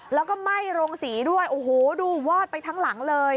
แล้วก็ไหม้โรงสีด้วยโอ้โหดูวอดไปทั้งหลังเลย